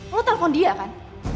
lo telpon dia kan